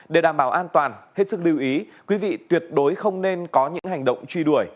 để đảm bảo an toàn hết sức lưu ý quý vị tuyệt đối không nên có những hành động truy đuổi